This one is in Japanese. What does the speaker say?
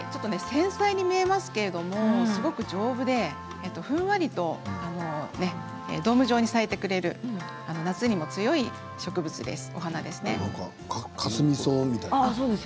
繊細に見えますけれどもすごく丈夫でふんわりとドーム状に咲いてくれる夏にも強い植物です。